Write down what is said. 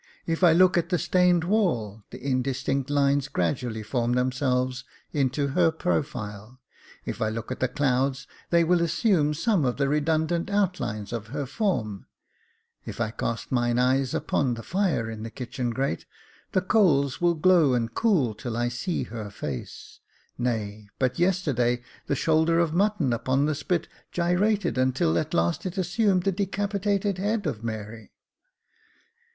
If I look at the stained wall, the indistinct lines gradually form them selves into her profile ; if I look at the clouds, they will assume some of the redundant outlines of her form ; if I cast mine eyes upon the fire in the kitchen grate, the coals will glow and cool until I see her face ; nay, but yester day, the shoulder of mutton upon the spit, gyrated until it at last assumed the decapitated head of Mary.